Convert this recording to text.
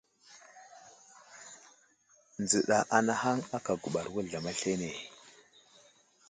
Nzəɗa anahaŋ aka gubar wuzlam aslane.